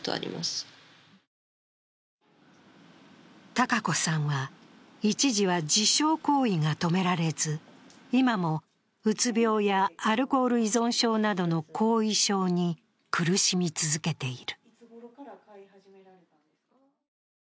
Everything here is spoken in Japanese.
たかこさんは、一時は自傷行為が止められず、今もうつ病やアルコール依存症などの後遺症に苦しみ続けている。